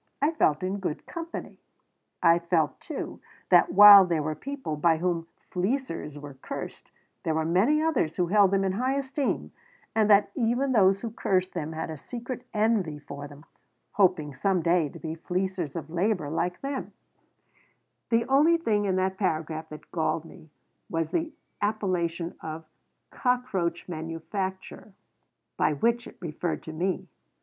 I felt in good company. I felt, too, that while there were people by whom "fleecers" were cursed, there were many others who held them in high esteem, and that even those who cursed them had a secret envy for them, hoping some day to be fleecers of labor like them The only thing in that paragraph that galled me was the appellation of "cockroach manufacturer" by which it referred to me.